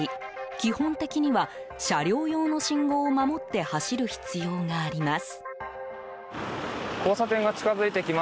基本的には車両用の信号を守って走る必要があります。